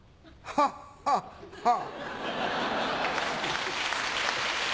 ハッハッハッ。